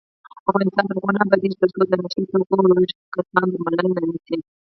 افغانستان تر هغو نه ابادیږي، ترڅو د نشه یي توکو روږدي کسان درملنه نشي.